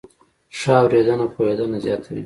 ښه اورېدنه پوهېدنه زیاتوي.